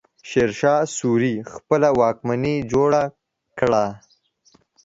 شېرشاه سوري خپله واکمني جوړه کړه.